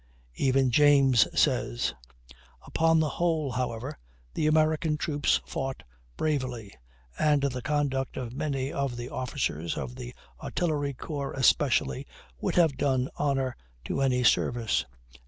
Even James says: "Upon the whole, however, the American troops fought bravely; and the conduct of many of the officers, of the artillery corps especially, would have done honor to any service."